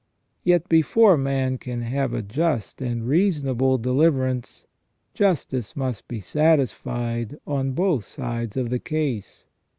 Yet before man can have a just and reasonable deliverance, justice must be satisfied on both sides of the case.